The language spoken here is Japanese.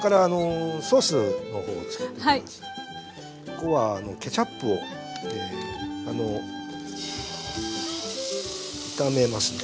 ここはケチャップをあの炒めますね。